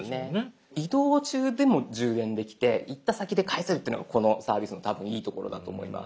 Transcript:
移動中でも充電できて行った先で返せるっていうのがこのサービスの多分いいところだと思います。